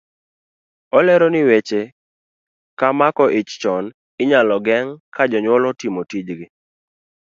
Olero ni weche ka mako ich chon inyalo geng' ka jonyuol otimo tijgi.